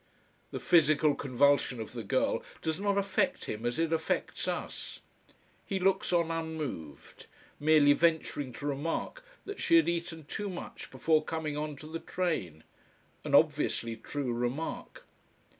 The physical convulsion of the girl does not affect him as it affects us. He looks on unmoved, merely venturing to remark that she had eaten too much before coming on to the train. An obviously true remark.